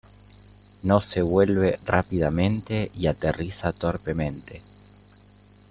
No se vuelve rápidamente y aterriza torpemente.